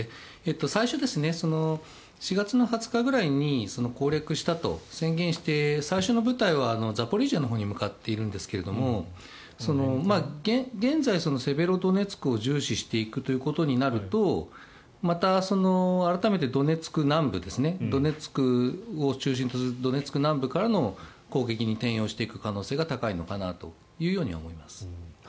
最初、４月２０日ぐらいに攻略したと宣言して最初の部隊はザポリージャのほうに向かっているんですが現在、セベロドネツクを重視していくとなると改めてドネツク南部ドネツクを中心とする南部からの攻撃に転用していく可能性が高いのかなと思います。